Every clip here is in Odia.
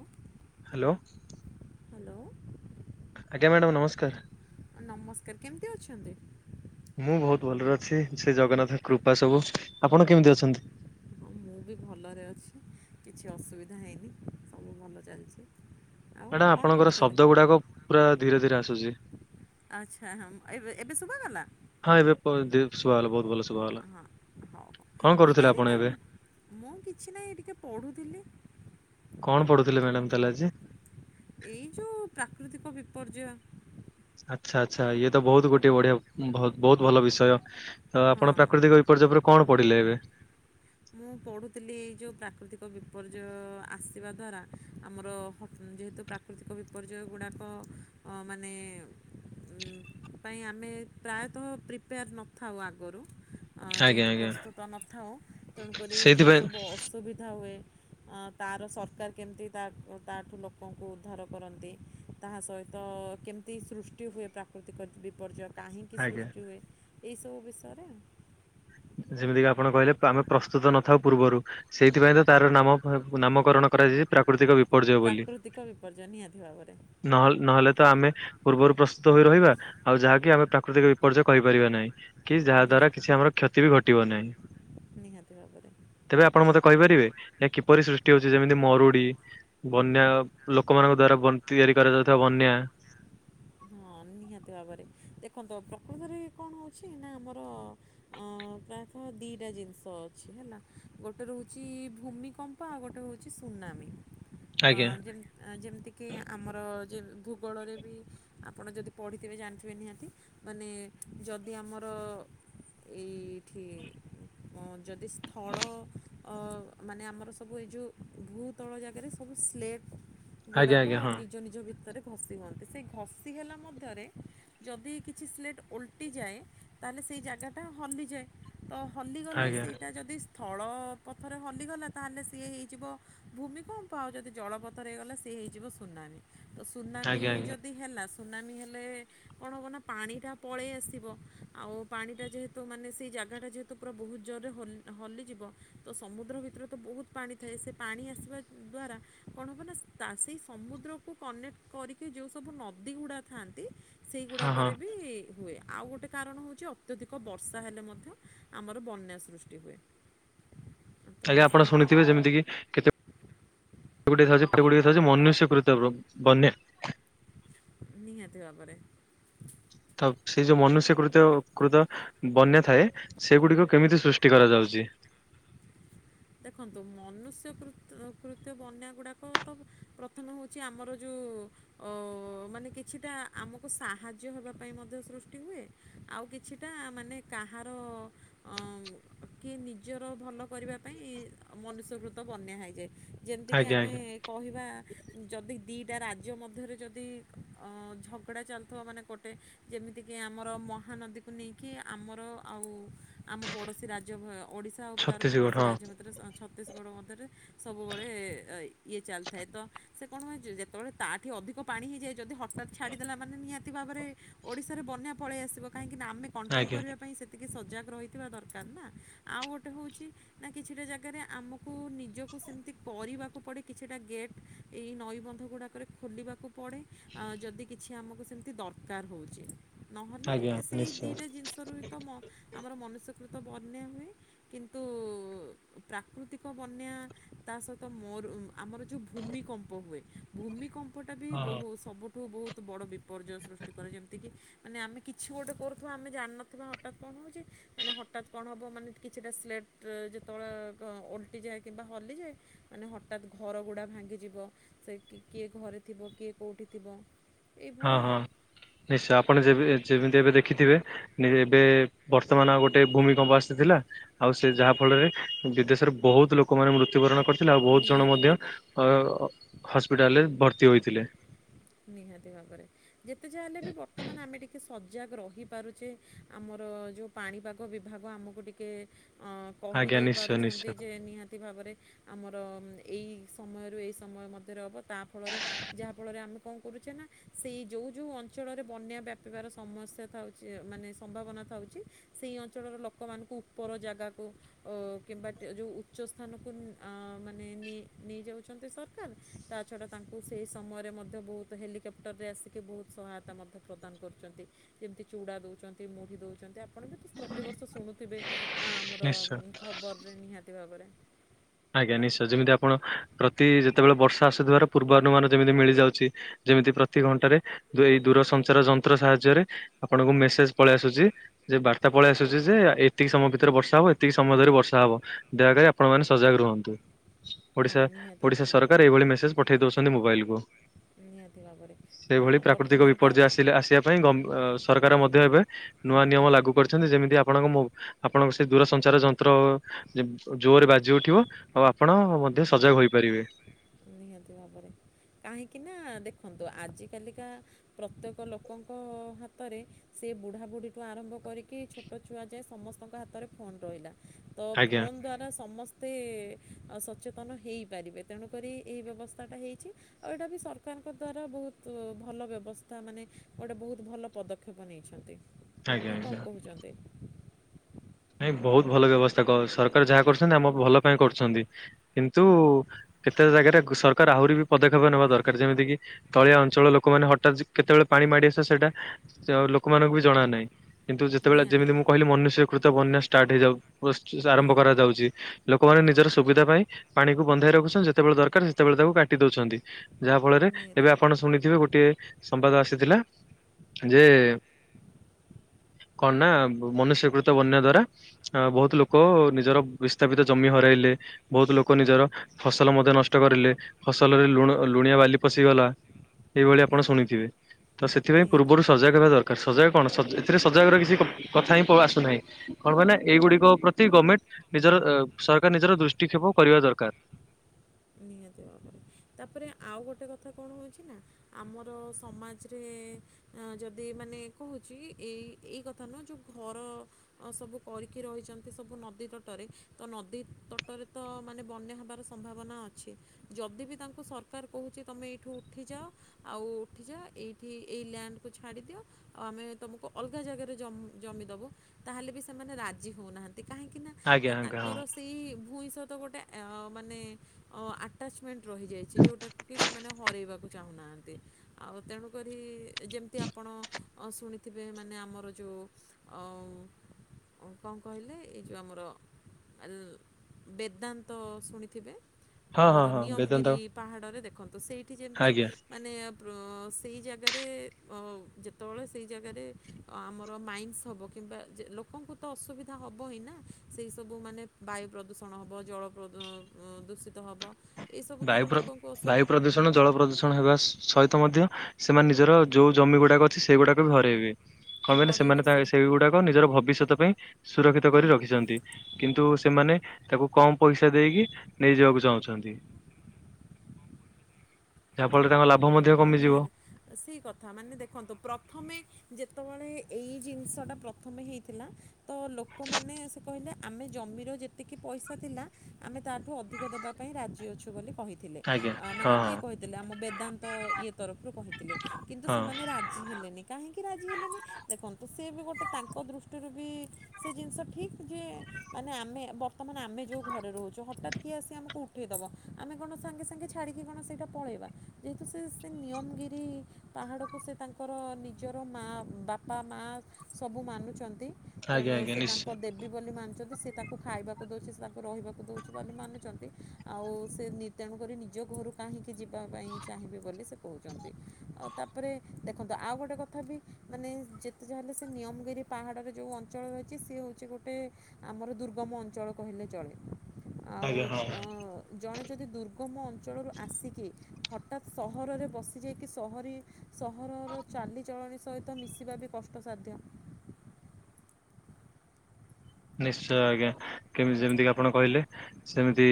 ଉ ହାଲୋ। ହାଲୋ। ଆଜ୍ଞା ମ୍ୟାଡ଼ାମ ନମସ୍କାର ନମସ୍କାର, କେମିତି ଅଛନ୍ତି? ମୁଁ ବହୁତ ଭଲରେ ଅଛି, ସେ ଜଗନ୍ନାଥଙ୍କ କୃପା ସବୁ, ଆପଣ କେମିତି ଅଛନ୍ତି? ହଁ ମୁଁ ବି ଭଲରେ ଅଛି, କିଛି ଅସୁବିଧା ହେଇନି, ସବୁ ଭଲ ଚାଲଚି। ମ୍ୟାଡ଼ାମ, ଆପଣଙ୍କର ଶବ୍ଦ ଗୁଡ଼ାକ ପୁରା ଧୀରେ ଧୀରେ ଆସୁଛି। ଆଚ୍ଛା ହଁ, ଏବେ ଏବେ ଶୁଭା ଗଲା। ହଁ ଏବେ ପ ଦେ ଶୁଭାଗଲା, ବହୁତ ଭଲ ଶୁଭା ଗଲା, କଣ ମୁଁ କରୁଥିଲେ କହିଲି ନା ଆପଣ ଏବେ? ମୁଁ କିଛି ନାହିଁ, ଟିକେ ପଢ଼ୁଥିଲି। କଣ ପଢୁଥିଲେ, ମାଡାମ ତାହେଲେ ଆଜି ଏଇ ଯୋଉ ପ୍ରାକୃତିକ ବିପର୍ଯ୍ୟୟ ଆଚ୍ଛା, ଆଚ୍ଛା ଇଏ ତ ବହୁତ ଗୋଟେ ବଢିଆ ଭ ବହୁତ ଭଲ ବିଷୟ, ଅ ଆପଣ ହଁ ପ୍ରାକୃତିକ ବିପର୍ଯ୍ୟ ଉପରେ କଣ ପଡ଼ିଲା ଏବେ? ମୁଁ ପଢ଼ୁଥିଲି, ଏଇ ଯଉ ପ୍ରାକୃତିକ ବିପର୍ଯ୍ୟୟ ଆସିବା ଦ୍ଵାରା, ଆମର ହ ଯେହେତୁ କା ପ୍ରାକୃତିକ ବିପର୍ଯ୍ୟୟ ଗୁଡ଼ାକ ମାନେ ଉଁ ପାଇଁ, ଆମେ ପ୍ରାୟତଃ ପ୍ରିପେୟାର୍ ନଥାଉ ଆଗରୁ ଅଁ ଆଜ୍ଞା ଯେହେତୁ ଆଜ୍ଞା ପ୍ରସ୍ତୁତ ନଥାଉ, ତେଣୁକରି ଯଉ ସେଇଥିପାଇଁ ସବୁ ଅସୁବିଧା ହୁଏ ଅଁ, ତାର ସରକାର କେମିତି ତା ତାଠୁ ଲୋକଙ୍କୁ ଉଦ୍ଧାର କରନ୍ତି ତାହା ସହିତ କେମିତି ସୃଷ୍ଟି ହୁଏ, ପ୍ରାକୃତିକ ବିପର୍ଯ୍ୟୟ କାହିଁକି ଆଜ୍ଞା ସୃଷ୍ଟି ହୁଏ, ଏହିସବୁ ବିଷୟରେ ଯେମିତିକି ଆପଣ କହିଲେ, ପାଁ ଆମେ ପ୍ରସ୍ତୁତ ନଥାଉ ପୂର୍ବରୁ ସେଇଥିପାଇଁ ତ, ତାର ନାମ ନାମକରଣ କରାଯାଇଛି ପ୍ରାକୃତିକ ବି ପ୍ରାକୃତିକ ବିପର୍ଯ୍ୟୟ, ନିହାତି ଭାବରେ। ନହଲ ନହେଲେ ତ ଆମେ ପୂର୍ବରୁ ପ୍ରସ୍ତୁତ ହୋଇ ରହିବା, ଆଉ ଯାହାକି ଆମେ ପ୍ରାକୃତିକ ବିପର୍ଯ୍ୟୟ କରିପାରିବା ନାହିଁ। କି, ଯାହା ଦ୍ଵାରା ନିହାତି କିଛି ଆମର କ୍ଷତି ବି ଘଟିବ ନାହିଁ। ନିହାତି ଭାବରେ ତେବେ ଆପଣ ମତେ କହିପାରିବେ, ଏ କିପରି ସୃଷ୍ଟି ହଉଛି ଯେମିତି ମରୁଡି ବନ୍ୟା ଲୋକମାନଙ୍କ ଦ୍ଵାରା ବ ତିଆରି କରାଯାଉଥିବା ବନ୍ୟା ହଁ ନିହାତି ଭାବରେ, ଦେଖନ୍ତୁ ପ୍ରକୃତରେ କଣ ହେଉଛି ନା ଆମର ଅଁ ପ୍ରାୟତଃ ଦିଟା ଜିନିଷ ଅଛି ହେଲା, ଗୋଟେ ରହୁଛି ଭୂମି କ ମ୍ପ, ଆଉ ଗୋଟେ ହଉଛି ସୁନାମି। ଆଜ୍ଞା ଅଁ ଯେମ ଯେମିତିକି ଆମର ଯେ ଭୂଗୋଳରେ ବି ଆପଣ ଯଦି ପଢ଼ିଥିବେ ଜାଣିଥିବେ ନିହାତି, ମାନେ ଯଦି ଆମର ଏଇଠି ଯଦି ସ୍ଥଳ ଅ ମାନେ ଆମର ସବୁ ଏଇ ଯଉ ଭୁ ତଳ ଜାଗାରେ ସବୁ ସ୍ଲେଟ୍ ଆଜ୍ଞା ଗୁଡ଼ାକ ଆଜ୍ଞା ହଁ ନିଜ ନିଜ ଭିତରେ ଘଷି ହୁଅନ୍ତି, ସେଇ ଘ ତି ହେଲା ମଧ୍ୟରେ ଯଦି କିଛି ସ୍ଲେଟ୍ ଓଲଟିଯାଏ, ତାହେଲେ ସେହି ଜାଗାଟା ହଲିଯାଏ। ତ ହଲିଗଲେ, ଆଜ୍ଞା ସେଇଟା ଯଦି ସ୍ଥଳ ପଥରେ ହଲିିଗଲା, ତାହେଲେ ସିଏ ହେଇଯିବ ଭୂମି କମ୍ପ, ଆଉ ଯଦି ଜଳପଥରେ ହେଇଗଲା ସିଏ ହେଇଯିବ ସୁନାମୀ। ତ ସୁନାମି ଆଜ୍ଞା ଆଜ୍ଞା ଯଦି ହେଲା ସୁନାମି ହେଲେ କଣ ହବ ନା, ପାଣିଟା ପଳେଇ ଆସିବ ଆଉ ପାଣିଟା ଯେହେ ତୁ ମାନେ ସେଇ ଜାଗାଟା ଯେହେତୁ ପୁରା ବହୁତ ଜୋରରେ ହଲି ହଲିଯିବ, ତ ସମୁଦ୍ର ଭିତରେ ତ ବହୁତ ପାଣି ଥାଏ ସେ ପାଣି ଆସିବା ଦ୍ୱାରା କଣ ହେବ ନା ସେଇ ସମୁଦ୍ରକୁ କନେକ୍ଟ କରିକି ଯଉ ସବୁ ନଦୀ ଗୁଡା ଥାଆନ୍ତି ହଁ ହଁ ସେଇଗୁଡାକରେ ବି ହୁଏ ଆଉ ଗୋଟେ କାରଣ ହଉଛି ଅତ୍ୟଧିକ ବର୍ଷା ହେଲେ ମଧ୍ୟ୍ୟ ଆମର ବନ୍ୟା ସୃଷ୍ଟି ହୁଏ। ତ ଖାଲି ଆପଣ ସେଇ ଶୁଣିଥିବେ ଯେମିତି କିି କେତେ ସେ ଗୁଟେ ଥାଉଛି ସେଗୁଟ ଥାଉଛି ମନୁଷ୍ୟକୃତ ବନ୍ୟା। ନିହାତି ଭାବରେ। ତ ସେ ଯୋଉ ମନୁଷ୍ୟ କୃତ କୃତ ବନ୍ୟା ଥାଏ ସେଗୁଡିକ କେମିତି ସୃଷ୍ଟି ଟି କରାଯାଉଛି? ଦେଖନ୍ତୁ ମନୁଷ୍ୟ କୃତ୍ୟ ବନ୍ୟା ଗୁଡ଼ାକ ତ ପ୍ରଥମେ ହଉଛି ଆମର ଯେଉଁ ଓ ମାନେ କିଛିଟା ଆମକୁ ସାହାଯ୍ୟ ହେବା ପାଇଁ ମଧ୍ୟ ସୃଷ୍ଟି ହୁଏ। ଆଉ କିଛିଟା ମାନେ କାହାର କିଏ ନିଜର ଭଲ କରିବା ପାଇଁ ମନୁଷ୍ୟକୃତ ବନ୍ୟା ହୋଇଯାଏ ଯେମିତିକି ଆଜ୍ଞା ଆମେ ଆଜ୍ଞା କହିବା ଯଦି ଦୁଇଟା ରାଜ୍ୟ ମଧ୍ୟରେ ଯଦି ଝଗଡ଼ା ଚାଲିୁଥିବ ମାନେ ଗୋଟେ ଯେମିତିକି ଆମର ମହାନଦୀକୁ ନେଇକି ଆମର ଆଉ ଆମ ପଡ଼ୋଶୀ ରାଜ୍ୟ ଓଡ଼ିଶା ସେ ଆଉ ତାର ଛତିଶଗଡ଼ ପଡ଼ୋଶୀ ହଁ ରାଜ୍ୟ ଭିତରେ ଛତିଶଗଡ଼ ମଧ୍ୟରେ ସବୁବେଳେ ଇଏ ଚାଲିଥାଏ ତ ସେ କଣ ହୁଏ ଯେତେବେଳେ ତାଠୁ ଅଧିକ ପାଣି ହେଇଯାଏ ଯଦି ହଠାତ ଛାଡିଦେଲା ମାନେ ନିହାତି ଭାବରେ ଓଡ଼ିଶାରେ ବନ୍ୟା ପଳାଇ ଆସିବ କାହିଁକିନା ଆମେ କଣ୍ଟ୍ରୋଲ୍ ଆଜ୍ଞା କରିବା ପାଇଁ ସେତିକି ସଜାଗ ରହିଥିବା ଦରକାର ନା, ଆଉ ଗୋଟେ ହେଉଛି ନା କିଛିଟା ଜାଗାରେ ଆମକୁ ନିଜକୁ ସେମିତି କରିବାକୁ ପଡ଼େ କିଛିଟା ଗେଟ୍ ଏଇ ନଈବନ୍ଧ ଗୁଡ଼ାକରେ ଖୋଲିବାକୁ ପଡ଼େ ଆଉ ଯଦି କିଛି ଆମକୁ ସେମିତି ଦରକାର ହଉଛି। ନହେଲେ ଆଜ୍ଞା ସେଇ ନିଶ୍ଚୟ। ଦିଟା ଜିନିଷ ରୁ ହିି ତ ଆମର ମନୁଷ୍ୟକୃତ ବନ୍ୟା ହୁଏ କିନ୍ତୁ ପ୍ରାକୃତିକ ବନ୍ୟା ତା ସହିତ ମର ଆମର ଯେଉଁ ଭୂମିକମ୍ପ ହୁଏ ଭୂମିକମ୍ପ କପଟା ବି ହଁ ବହୁ ସବୁଠୁ ବହୁତ ବଡ଼ ବିପର୍ଯ୍ୟୟ ସୃଷ୍ଟି କରେ ଯେ ଏମିତିକି ମାନେ ଆମେ କିଛି ଗୋଟେ କରୁଥିବା ଆମେ ଜାଣିନଥିବା ହଠାତ୍ କଣ ହେଉଛି ମାନେ ହଠାତ୍ କଣ ହେବ ମାନେ କିଛିଟା ସ୍ଲେଲେଟ ଯେତେବେଳେ ଓଲଟିଯାଏ କିମ୍ବା ହଲିଯାଏ ମାନେ ହଠାତ୍ ଘର ଗୁଡ଼ା ଭାଙ୍ଗିଯିବ। ସେ କିଏ ଘରେ ଥିବ କିଏ କୋଉଠି ଥିବ। ହଁ ଏଇଭଳିଆ ହଁ। ଆଉ ନିଶ୍ଚୟ ଆପଣ ଯେ ଯେମିତି ଏବେ ଦେଖିଥିବେ ଏବେ ବର୍ତ୍ତମାନ ଆଉ ଗୋଟେ ଭୂମି ଆସିଥିଲା ଆଉ ସେ ଯାହା ଫଳରେ ବିଦେଶରେ ବହୁତ ଲୋକମାନେ ମୃତ୍ୟୁବରଣ କରି ଥିଲା ଆଉ ବହୁତ ଜଣ ନିହାତି ମଧ୍ୟ ଭାବରେ ହସ୍ପିଟାଲରେ ଭର୍ତ୍ତି ହୋଇଥିଲେ। ନିହାତି ଭାବରେ। ଯେତେ ଯା ହେଲେ ବି ବର୍ତ୍ତମାନ ଆମେ ଟିକେ ସଜାଗ ରହିପାରୁଛେ ଆମର ଯଉ ପାଣିପାଗ ବିଭାଗ ଆମକୁ ଟିକଏ ଆଜ୍ଞା କହିଦେଇ ନିଶ୍ଚୟ ପାରୁଛନ୍ତି ନିଶ୍ଚୟ ଯେ ନିହାତି ଅ ଭାବରେ ଆମର ଏଇ ସମୟରୁ ଏଇ ସମୟ ମଧ୍ୟରେ ହବ। ତା ଫଳରେ ଯାହାଫଳରେ ଆମେ କଣ କରୁଛେ ନା ସେଇ ଯେଉଁ ଯେଉଁ ଅଞ୍ଚଳରେ ବନ୍ୟା ବ୍ୟାପିବାର ସମସ୍ୟା ଥାଉଛି ମାନେ ସମ୍ଭାବନା ଥାଉଛି ସେହି ଅଞ୍ଚଳର ଲୋକମାନଙ୍କୁ ଉପର ଜାଗାକୁ ଅ କିମ୍ବା [unintelligible] ଯୋଉ ଉଚ୍ଚ ସ୍ଥାନକୁ ଅ ମାନେ ନେଇ ନେଇ ଯାଉଛନ୍ତି ସାର୍। ଦର ତା ଛଡ଼ା ତାଙ୍କୁ ସେହି ସମୟରେ ମଧ୍ୟ ମଧ୍ୟ ବହୁତ ହେଲିକପ୍ଟରରେ ଆସିକି ବହୁତ ସହାୟତା ମଧ୍ୟ ପ୍ରଦାନ କରୁଛନ୍ତି। ଯେମିତି ଚୁଡା ଦଉଛନ୍ତି ମୁଢି ଦଉଛନ୍ତି ଆପଣ ବି ପ୍ରତିବର୍ଷ ଶୁଣୁଥିବେ। ଆ ଆମର ନିଶ୍ଚୟ। ଖବରରେ ନିହାତି ଭାବରେ ଆଜ୍ଞା ନିଶ୍ଚୟ ଯେମିତି ଆପଣ ପ୍ରତି ଯେତେବେଳେ ବର୍ଷା ଆସୁଥିବାର ପୂର୍ବାନୁମାନ ଯେମିତି ମିଳିଯାଉଛି। ଯେମିତି ପ୍ରତି ଘଣ୍ଟାରେ ଦୂରେଏଇ ଦୂର ସଞ୍ଚାର ଯନ୍ତ୍ର ସାହାଯ୍ୟରେ ଆପଣଙ୍କୁ ମେସେଜ ପଳେଇ ଆସୁଛି। ଯେ ବାର୍ତ୍ତା ପଳେଇ ଆସୁଚି ଯେ ଏତିକି ସମୟ ଭିତରେ ବର୍ଷା ହବ ଏତିକି ସମୟ ଧରି ବର୍ଷା ହବ ଦୟାକରି ଆପଣ ମାନେ ସଜାଗ ରୁହନ୍ତୁ ହଁ ଓଡ଼ିଶା ନିହାତି ଓଡ଼ିଶା ଭାବରେ ସରକାର ଏଇଭଳି ମେସେଜ ପଠେଇ ଦେଉଛନ୍ତି ମୋବାଇଲକୁ। ନିହାତି ଭାବରେ ହଁ ପ୍ରାକୃତିକ ବର୍ତ୍ତମାନ ତ ବିପର୍ଯ୍ୟୟ ଆସିଲେ ଆସିବା ପାଇଁ ଗମ ଅ ସରକାର ମଧ୍ୟ ଏବେ ନୂଆ ନିୟମ ଲାଗୁ କରିଛନ୍ତି ଯେମିତି ଆପଣଙ୍କ ମୋ ଆପଣଙ୍କ ସେ ଦୂରସଞ୍ଚାର ଯନ୍ତ୍ର ଯେ ଜୋର ବାଜି ଯଉଠିବ ଆଉ ଆପଣ ମଧ୍ୟ ସେ ସଜାଗ ହୋଇପାରିବେ। ନିହାତି ଭାବରେ କାହିଁକି ନା ଦେଖନ୍ତୁ ଆଜ କାଲିକା ପ୍ରତ୍ୟେକ ଲୋକଙ୍କ ହାତରେ ସେ ବୁଢ଼ାବୁଢ଼ୀଠୁ ଆରମ୍ଭ କରିକି ଛୋ ଛୋଟ ଛୁଆ ଯାଏ ସମସ୍ତଙ୍କ ହାତରେ ଫୋନ୍ ରହିଲା। ତ ଆଜ୍ଞା ଫୋନ୍ ଦ୍ୱାରା ସମସ୍ତେ ସଚେତନ ହେଇପାରିବେ। ତେଣୁକରି ଏହି ବ୍ୟବସ୍ଥାଟା ହେଇଛି। ଆଉ ଏଇଟା ବି ସରକାରଙ୍କ ଦ୍ଵାରା ବହୁତ ଭଲ ବ୍ୟବସ୍ଥା ମାନେ ଗୋଟେ ବହୁତ ଭଲ ପଦ କ୍ଷେପ ନେଇଛନ୍ତି ଆଜ୍ଞା ନା କଣ ଆଜ୍ଞା କହୁଛନ୍ତି। ନାଇଁ ବହୁତ ଭଲ ବ୍ୟବସ୍ଥା କ ସରକାର ଯାହା କରୁଛନ୍ତି ଆମ ଭଲ ପାଇଁ କରୁଛନ୍ତି। କିନ୍ତୁ କେତେକ ଜାଗାରେ [inaudible] ସରକାର ଆହୁରି ବି ପଦକ୍ଷେପ ନେବା ଦରକାର ଯେମିତି କିି ତଳିଆ ଅଞ୍ଚଳର ଲୋକମାନେ ହଠାତ୍ କେତେବେଳେ ପାଣି ମାଡି ଆସିବ ସେଇଟା ଲୋକମାନଙ୍କୁ ବି ଜଣା ନାହିଁ। କିନ୍ତୁ ଯେତେବେଳେ ନିହାତି ଯେମିତି ମୁଁ ଭାବରେ କହିଲି ମନୁଷ୍ୟକୃତ ବନ୍ୟ ଷ୍ଟାର୍ଟ ହେଇଯାଉ। [unintelligible] ହଁ ଆରମ୍ଭ କରାଯାଉଛି ଲୋକମାନେ ହଁ ନିଜର ସୁବିଧା ପାଇଁ ପାଣିକୁ ବନ୍ଧାଇ ରଖୁଛନ୍ତି ଯେତେବେଳେ ଦରକାର ସେତେବେଳେ ତାକୁ କାଟି ଦଉଛନ୍ତି ଯାହା ଫଳରେ ନିହାତି ଏବେ ଆପଣ ଶୁଣିଥିବେ ଗୋ ଗୋଟିଏ ସମ୍ବାଦ ଆସିଥିଲା ଯେ କଣ ନା ମନୁଷ୍ୟକୃତ ବନ୍ୟା ଦ୍ଵାରା ଅ ବହୁତ ଲୋକ ନିଜର ବିସ୍ଥାପିତ ଜମି ହରାଇଲେ ବହୁତ ଲୋକ ନିଜର ଫସଲ ମଧ୍ୟ ନଷ୍ଟ କରିଲେ ଫସଲରେ ଲୁଣ ଲୁଣିଆ ବାଲି ପଶିଗଲା। ଏଇଭଳି ଆପଣ ହଁ ଶୁଣିଥିବେ ତ ସେଥିପାଇଁ ନିହାତି ପୂର୍ବରୁ ଭାବରେ ସଜାଗ ହେବା ଦର ତ ସଜାଗ କଣ ସଜ ଏଥିରେ ସଜାଗର କିଛି କ କଥା ହିଁ ଆସୁନାହିଁ। କଣ କହ ନା ଏଇଗୁଡିକ ପ୍ରତି ଗମେଣ୍ଟ ନିଜର ଅ ସରକାର ନିଜର ଦୃଷ୍ଟିକ୍ଷେପ କରିବା ଦରକାର। ନିହାତି ଭାବରେ। ତାପରେ ଆଉ ଗୋଟେ କଥା କଣ ହଉଛି ନା ଆମର ସମାଜରେ ଅ ଯଦି ମାନେ କହୁଛି ଏଇ ଏଇ କଥା ନୁହଁ ଯୋଉ ଘର ଅ ସବୁ କରିକି ରହିଛନ୍ତି ସବୁ ନଦୀ ତଟରେ ତ ନଦୀ ତଟରେ ତ ମାନେ ବନ୍ୟା ହବାର ସ ସମ୍ଭାବନା ଅଛି। ଯଦି ବି ତାଙ୍କୁ ସରକାର କହୁଛି ତମେ ଏଇଠୁ ଉଠିଯାଅ ଆଉ ଉଠିଯାଅ ଏଇଠି ଏଇ ଲ୍ୟାଣ୍ଡକୁ ଛାଡ଼ିଦିଅ ଆଉ ଆମେ ତମକୁ ଅଲଗା ଜାଗାରେ ଜମି ଜମି ଦବୁ ତାହେଲେ ବି ସେମାନେ ରାଜି ହଉନାହାନ୍ତି କାହିଁକି ନା ଆଜ୍ଞା ଆଜ୍ଞା ହଁ ତାଙ୍କର ସେଇ ଭୁଇଁ ସହିତ ଗୋଟେ ଅ ମାନେ ଅ ଆଟାଚମେଣ୍ଟ ରହିଯାଇଛି ଯୋଉଟାକୁ କି ସେମାନେ ହରେଇବାକୁ ଚାହୁଁନାହାଁନ୍ତି। ଆଉ ତେଣୁକରି ଯେମିତି ଆପଣ ଅ ଶୁଣିଥିବେ ମାନେ ଆମର ଯୋଉ ଅ ଉଁ କଣ କହିଲେ ଏଇ ଯୋଉ ଆମର ବେଦାନ୍ତ ଶୁଣିଥିବେ? ହଁ ଆମର ହଁ ହଁ ବେଦାନ୍ତ ନିୟମଗିରି ପାହାଡରେ ଦେଖନ୍ତୁ ସେଇଠି ଯେମତି ଆଜ୍ଞା ମାନେ ଆପରୁ ସେଇ ଜାଗାରେ ଅ ଯେତେବେଳେ ସେଇ ଜାଗାରେ ଅ ଆମର ମାଇନ୍ସ ହବ କିମ୍ବା ଯେ ଲୋକଙ୍କୁ ତ ଅସୁବିଧା ହବ ହିଁ ନା ସେଇସବୁ ମାନେ ବାୟୁ ପ୍ରଦୂଷଣ ହବ ଜଳ ପ୍ରଦୂ ଉଁ ଉଁ ଦୂଷିତ ହେବ ଏସବୁ ଦ୍ୱାରା ଲୋକଙ୍କୁ ଅସୁବି ତେଣୁ ଜଳ ପ୍ରଦୂଷଣ ହେବା ସ ସହିତ ମଧ୍ୟ ସେମାନେ ନିଜର ଯଉ ଜମି ଗୁଡ଼ାକ ଅଛି ସେଇଗୁଡ଼ାକ ବି ହରେଇବେ। କଣ କହିଲେ ହରେଇ ସେମାନେ ତା ବସିବେ ସେଇଗୁଡାକ ନିଜର ଭବିଷ୍ୟତ ପାଇଁ ସୁରକ୍ଷିତ କରି ରଖିଛନ୍ତି। କିନ୍ତୁ ସେମାନେ ତାକୁ କମ ପଇସା ଦେଇକି ନେଇଯିବାକୁ ଚାହୁଁଛନ୍ତି। ଯାହାଫଳରେ ତାଙ୍କ ଲାଭ ମଧ୍ୟ ହଁ କମିଯିବ। ନିହାତି ସେଇ କଥା ମାନେ ଦେଖନ୍ତୁ ପ୍ରଥମେ ଯେତେବେଳେ ଏଇ ଜିନିଷଟା ପ୍ରଥମେ ହେଇଥିଲା ତ ଲୋକମାନେ ସେ କହିଲେ ଆମେ ଜମିର ଯେତିକି ପଇସା ଥିଲା ଆମେ ତାଠୁ ଅଧିକ ଦେବା ପାଇଁ ରାଜି ଅଛୁ ବୋଲି କହିଦେ ଥିଲେ ଆଜ୍ଞା ମାନେ ହଁ ହଁ କିଏ କହିଥିଲେ ଆମ ବେଦାନ୍ତ ଇଏ ତରଫରୁ କହିଥିଲେ କିନ୍ତୁ ହଁ ସେମାନେ ରା ରାଜି ହେଲେନି କାହିଁକି ରାଜି ହେଲେନି? ଦେଖନ୍ତୁ ସିଏ ବି ଗୋଟେ ତାଙ୍କ ଦୃଷ୍ଟିରୁ ବି ସେ ଜିନିଷ ଠିକ ଯେ ମାନେ ଆମେ ବର୍ତ୍ତମାନ ଆମେ ଯୋଉ ଘରେ ରହୁଛୁ ହଠାତ୍ କିଏ ଆସି ଆମକୁ ଉଠେଇଦବା ଆମେ କଣ ସାଙ୍ଗେ ସାଙ୍ଗେ ଛାଡ଼ିକି କଣ ସେଇଟା ପଳେଇବା ଯେହେତୁ ସେ ସେ ନିୟମଗିରି ପାହାଡ଼କୁ ସେ ତାଙ୍କର ନିଜର ମା ବାପ ବା ମା ସବୁ ମାନୁଛନ୍ତି ଆଜ୍ଞା ତେଣୁ ଆଜ୍ଞା ସେ ତାଙ୍କ ନିଶ୍ଚୟ ଦେବୀ ବୋଲି ମାନୁଛନ୍ତି ସେ ତାକୁ ଖାଇବାକୁ ଦଉଛି ତାକୁ ରହିବାକୁ ଦଉଛି ବୋଲି ମାନୁଛନ୍ତି ଆଉ ସେ ତେଣୁକରି ନିଜ ଘରୁ କାହିଁକି ଯିବା ପାଇଁ ଚାହିଁବି ବୋଲି ସେ କହୁଛନ୍ତି ଆଉ ତାପରେ ଦେଖନ୍ତୁ ଆଉ ଗୋଟେ କଥା ବି ମାନେ ଯେତେ ଯାହା ହେେଲେ ସେ ନିୟମଗିରି ପାହାଡ଼ରରେ ଯେଉଁ ଅଞ୍ଚଳ ରହିଛି ସିଏ ହେଉଛି ଗୋଟେ ଆମର ଦୁର୍ଗମ ଅଞ୍ଚଳ କହିଲେ ଚଳେ। ଆଉ ଆଜ୍ଞା ହଁ। ଅ ଜଣେ ଯଦି ଦୁର୍ଗମ ଅଞ୍ଚଳରୁ ଆସି କି ହଠାତ୍ ସହରରେ ବସିଯାଇକି ସହରୀ ସହରର ଚାଲିଚଳଣି ସହିତ ମିଶିବା ବି କଷ୍ଟସାଧ୍ୟ। ନିଶ୍ଚୟ ଆଜ୍ଞା କେମିତି ଯେମିତିକ ଆପଣ କହିଲେ ସେମିତି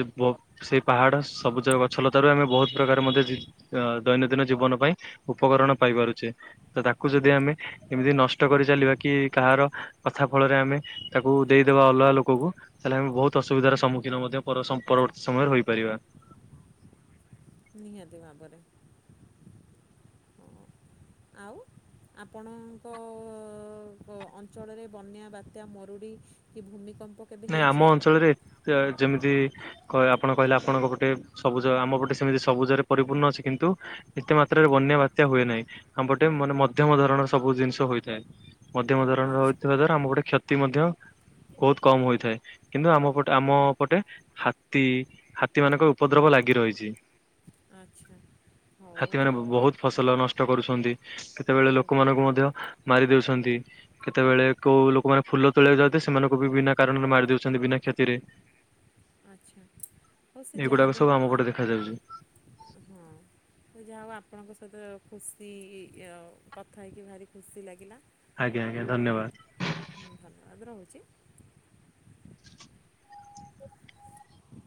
ଯେ ବ ସେଇ ପାହାଡ଼ ସବୁଜ ଗଛଲତାରୁ ଆମେ ବହୁତ ପ୍ରକାର ମଧ୍ୟ ଜି ଅ ଦୈନନ୍ଦିନ ଜୀବନ ପାଇଁ ଉପକରଣ ପାଇପାରୁଛେ। ତ ତାକୁ ଯଦି ଆମେ ଏମିତି ନଷ୍ଟ କରି ଚାଲିବା କି କାହାର କଥା ଫଳରେ ଆମେ ତାକୁ ଦେଇଦବା ଅଲଗା ଲୋକକୁ ତାହେଲେ ଆମେ ବହୁତ୍ ଅସୁବିଧାର ସମ୍ମୁଖୀନ ମଧ୍ୟ ପରବର୍ତ୍ତୀ ସମୟରେ ହୋଇପାରିବା। ନିହାତି ଭାବରେ ଆଉ? ଆପଣଙ୍କ ଅଞ୍ଚଳରେ ବନ୍ୟା ବାତ୍ୟା ମରୁଡ଼ି କି ଭୂମିକମ୍ପ କେବେ ନାଇଁ ଆମ ହେଇଛି ଅଞ୍ଚଳରେ ଯେମିତି କ ଆପଣ କହିଲେ ଆପଣଙ୍କ ପଟେ ସବୁଜ ଆମ ପଟେ ସେମିତି ସବୁଜରେ ପରିପୂର୍ଣ୍ଣ ଅଛି କିନ୍ତୁ ଏତେ ମାତ୍ରାରେ ବନ୍ୟା ବାତ୍ୟା ହୁଏ ନାହିଁ ଆମପଟେ ମାନେ ମଧ୍ୟମ ଧରଣର ସବୁ ଜିନିଷ ହୋଇଥାଏ। ମଧ୍ୟମ ଧରଣ ଆଚ୍ଛା ରଥିବା ଦ୍ଵାରା ଆମ ପଟେ କ୍ଷତି ମଧ୍ୟ ବହୁତ କମ ହୋଇଥାଏ କିନ୍ତୁ ଆମ ପଟେ ଆମ ପଟେ ହା ହାତୀ ହାତୀମାନଙ୍କ ଉପଦ୍ରବ ଲାଗି ରହିଚି। ଆଚ୍ଛା। ହଉ ହାତୀ ମାନେ ହଉ ବହୁତ୍ ଫସଲ ନଷ୍ଟ କରୁଛନ୍ତି ସେତେବେଳେ ଓହୋ ଲୋକମାନଙ୍କୁ ମଧ୍ୟ ମାରିଦଉଛନ୍ତି କେତେବେଳେ କୋଉ ଲୋକମାନେ ଫୁଲ ତୋଳିବାକୁ ଯାଉଚନ୍ତି ସେମାନଙ୍କୁବି ବିନା କାରଣରେ ମାରି ଦଉଛନ୍ତି ବିନା କ୍ଷତିରେ ଆଚ୍ଛା ହଉସେ ଏଗୁଡାକ ଯାହାବି ସବୁ ହଉ ଆମ ଆ ପଟେ ଦେଖାଯାଉଛି ହଁ। ଯାହା ହଉ ଆପଣଙ୍କ ସହିତ ଖୁସି କଥା ହେଇକି ଭାରି ଖୁସି ଲାଗିଲା ଆଜ୍ଞା ଆଜ୍ଞା ଧନ୍ୟବାଦ୍। ହୁଁ ଭଲ ଆବେ ରହୁଚି।